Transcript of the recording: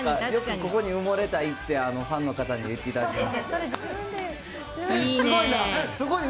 ここに埋もれたいって、ファンの方に言っていただけます。